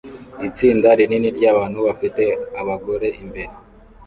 Itsinda rinini ryabantu bafite abagore imbere